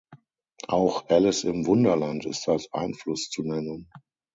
Auch "Alice im Wunderland" ist als Einfluss zu nennen.